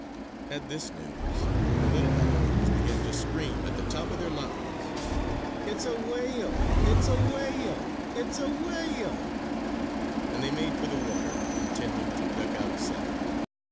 At this news, the little alligators began to scream at the top of their lungs, "It's a whale! It's a whale! It's a whale!" and they made for the water intending to duck out of sight.